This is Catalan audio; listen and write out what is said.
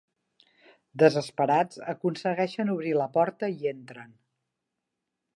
Desesperats aconsegueixen obrir la porta i entren.